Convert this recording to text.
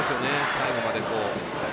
最後まで。